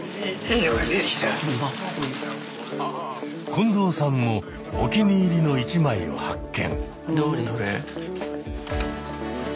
近藤さんもお気に入りの一枚を発見。